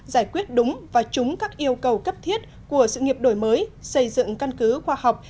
giải quyết đúng và trúng các yêu cầu cấp thiết của sự nghiệp đổi mới xây dựng căn cứ khoa học